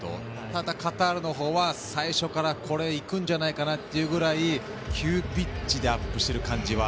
ただ、カタールは最初からこれ、行くんじゃないかというぐらい急ピッチでアップしてる感じは